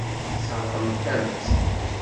Sseṛɣent-am-tt.